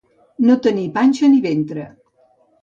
No tenir panxa ni ventre.